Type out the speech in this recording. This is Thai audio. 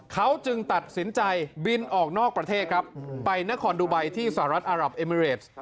เขาจึงตัดสินใจบินออกนอกประเทศครับไปนครดูไบที่สหรัฐอารับเอมิเรส